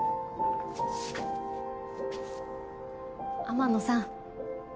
天野さん